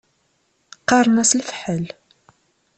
Qqaṛen-as lefḥel.